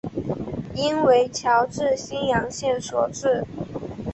应为侨置新阳县所置。